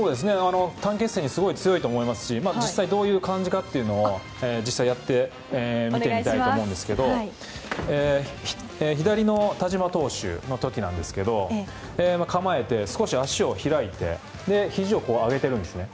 短期決戦にすごい強いと思いますし実際どういう感じかやってみてみたいと思うんですけど左の田嶋投手の時なんですが構えて、少し足を開いてひじを上げているんですね。